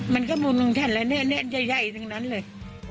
มันก็บุญของฉันแล้วเนี่ยใหญ่ทั้งนั้นเลย